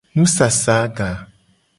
Nusasaga.